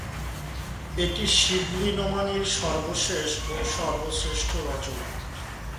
এটি শিবলী নোমানীর সর্বশেষ ও সর্বশ্রেষ্ঠ রচনা।